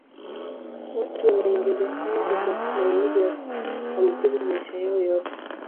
Watu wenye magonjwa hayo hubakia na uwezo wa kuambukiza maisha yao yote